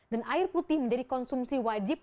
dan air putih menjadi konsumsi wajib